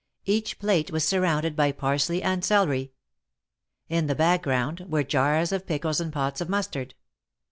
Each plate was surrounded by parsley and celery. In the background were jars of pickles and pots of mustard.